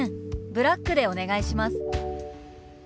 ブラックでお願いします」。